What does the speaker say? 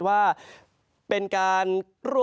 เป็นภาพถ่ายแสดงกลุ่มก้อนเมฆที่ปกคลุมอยู่เหนือท้องฟ้าเมืองไทยของเรา